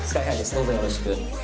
どうぞよろしく。